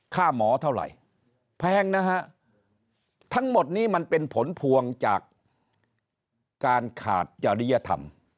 ค่าหมอเท่าไหร่แพงนะฮะทั้งหมดนี้มันเป็นผลพวงจากการขาดจริยธรรม